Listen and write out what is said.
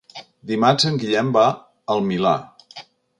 Dimarts en Guillem va al Milà.